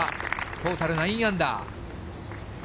トータル９アンダー。